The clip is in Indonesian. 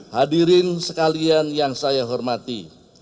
hadirin sekalian yang saya hormati